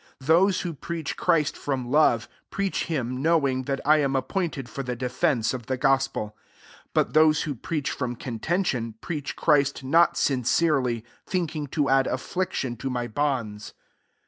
17 Those mho /kreaehi Christ from love, preach Amj knowing that I am appointed for the defence of the gospel: 16 but those who preach iroa contention, preach Christ not sincerely, thinking to add affile tion to my bonds.